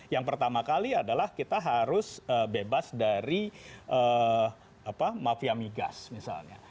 yang pertama kali adalah kita harus bebas dari mafia migas misalnya